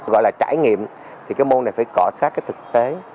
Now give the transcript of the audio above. gọi là trải nghiệm thì cái môn này phải cọ sát cái thực tế